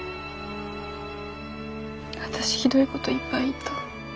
私ひどいこといっぱい言った。